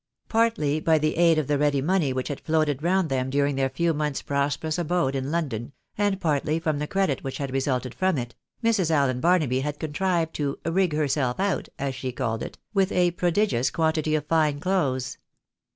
Partly by the aid of the ready money which had floated round them during their few months' prosperous abode in London, and partly from the credit which had resulted from it, Mrs. Allen Barnaby had contrived to " rig herself out,'''' as she called it, with a prodigious quantity of fine clothes.